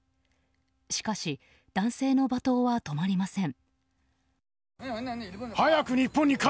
しかし、男性の罵倒は止まりません。